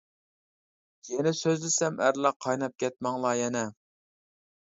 يەنە سۆزلىسەم ئەرلەر قايناپ كەتمەڭلار يەنە.